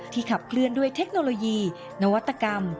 ขับเคลื่อนด้วยเทคโนโลยีนวัตกรรม